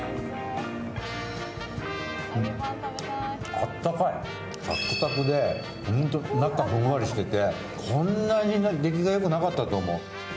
あったかい、サックサクで中はふんわりしてて、こんなに出来がよくなかったと思う。